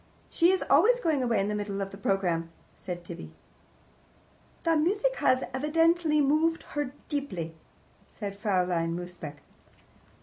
"She is always going away in the middle of a programme," said Tibby. "The music has evidently moved her deeply," said Fraulein Mosebach.